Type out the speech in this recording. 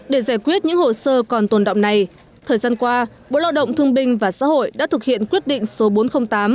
để giải quyết những hồ sơ còn tồn động này thời gian qua bộ lao động thương binh và xã hội đã thực hiện quyết định số bốn trăm linh tám